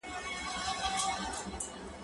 زه اوږده وخت تمرين کوم